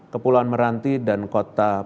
kepulauan meranti dan kota